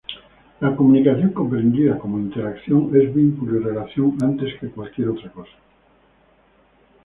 La comunicación, comprendida como interacción, es vínculo y relación antes que cualquier otra cosa.